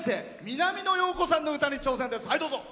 南野陽子さんの歌に挑戦です。